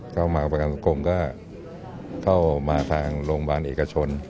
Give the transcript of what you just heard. เข้ามาประกันสังคมก็เข้ามาทางโรงพยาบาลเอกชน